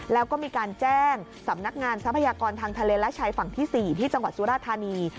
แล้วก็มีการแจ้งสำนักงานทรัพยากรทางทะเลและชายฝั่งที่๔ที่จังหวัดสุราธานี